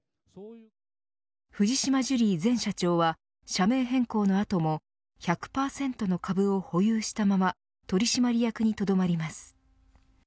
藤島ジュリー前社長は社名変更の後も１００％の株を保有したまま取締役にとどまります。